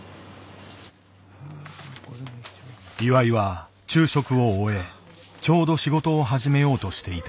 岩井は昼食を終えちょうど仕事を始めようとしていた。